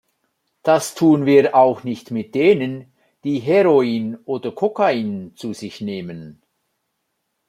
Das tun wir auch nicht mit denen, die Heroin oder Kokain zu sich nehmen.